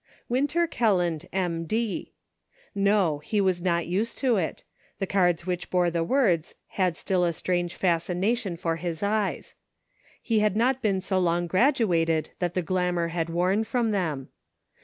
294 HOME. "Winter Kelland, M. D." No, he was not used to it ; the cards which bore the words had still a strange fascination for his eyes. He had not been so long graduated that the glamour had worn from them.